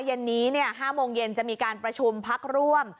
เย็นนี้๕โมงเย็นจะมีการประชุมพักร่วม